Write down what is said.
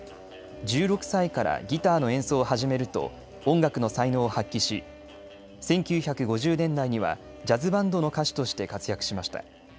１６歳からギターの演奏を始めると音楽の才能を発揮し１９５０年代にはジャズバンドの歌手として活躍しました。